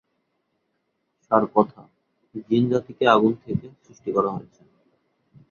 সারকথা, জিন জাতিকে আগুন থেকে সৃষ্টি করা হয়েছে।